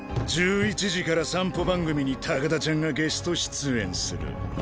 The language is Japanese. １１時から散歩番組に高田ちゃんがゲスト出演する。